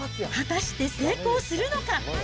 果たして成功するのか。